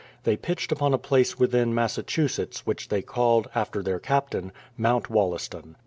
They pitched upon a place within Massachusetts, which they called, after their Captain, Mount Wollaston.